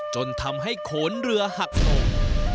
จนทำให้โขนเรือหักตก